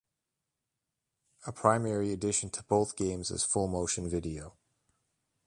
A primary addition to both games is full-motion video.